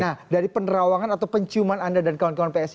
nah dari penerawangan atau penciuman anda dan kawan kawan psi